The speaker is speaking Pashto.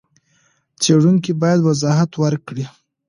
څېړونکی بايد وضاحت ورکړي.